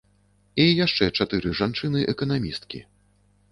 І яшчэ чатыры жанчыны эканамісткі.